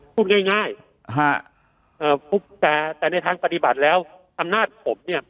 พูดง่ายแต่แต่ในทางปฏิบัติแล้วอำนาจผมเนี่ย